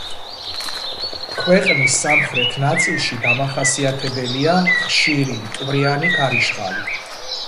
ქვეყნის სამხრეთ ნაწილში დამახასიათებელია ხშირი მტვრიანი ქარიშხალი.